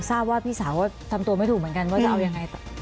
ทราบว่าพี่สาวก็ทำตัวไม่ถูกเหมือนกันว่าจะเอายังไง